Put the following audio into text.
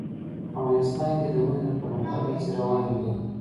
افغانستان کې د منی د پرمختګ هڅې روانې دي.